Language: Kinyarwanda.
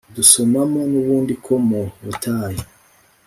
dusomamo n’ubundi ko mu butayu